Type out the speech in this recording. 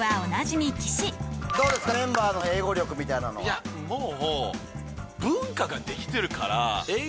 いやもう。